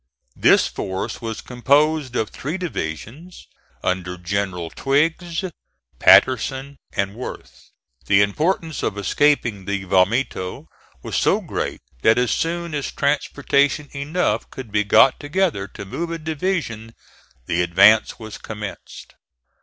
This force was composed of three divisions, under Generals Twiggs, Patterson, and Worth. The importance of escaping the vomito was so great that as soon as transportation enough could be got together to move a division the advance was commenced.